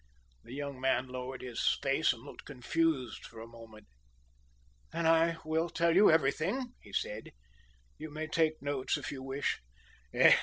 The young man lowered his face and looked confused for a moment. "Then I will tell you everything," he said. "You may take notes if you wish."